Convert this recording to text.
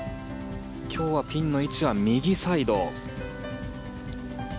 今日はピンの位置は右サイド。